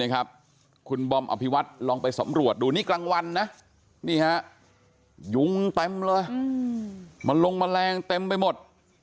คุณบอมอภิวัตรลองไปสำรวจดูนี่กลางวันนะนี่ฮะยุงเต็มเลยมาลงแมลงเต็มไปหมด